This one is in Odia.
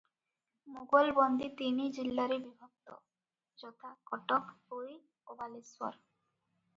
ମୋଗଲବନ୍ଦୀ ତିନି ଜିଲ୍ଲାରେ ବିଭକ୍ତ, ଯଥା:-କଟକ, ପୁରୀ ଓ ବାଲେଶ୍ୱର ।